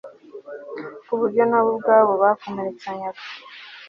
ku buryo na bo ubwabo bakomeretsanyaga